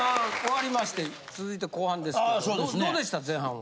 続いて後半ですけどどうでした前半は？